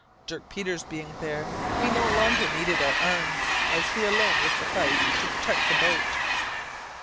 Dirk Peters being there, we no longer needed our arms, as he alone would suffice to protect the boat.